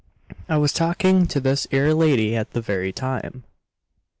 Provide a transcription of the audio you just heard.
"I was talking to this 'ere lady at the very time."